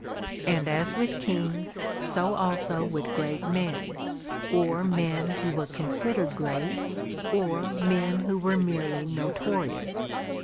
And as with kings, so also with great men, or men who were considered great, or men who were merely notorious.